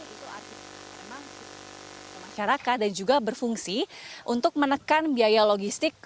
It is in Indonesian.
itu artinya memang masyarakat dan juga berfungsi untuk menekan biaya logistik